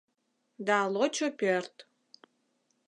Да лочо пӧрт.